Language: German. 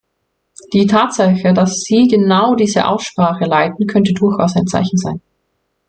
Die Tatsache, dass Sie genau diese Aussprache leiten, könnte durchaus ein Zeichen sein.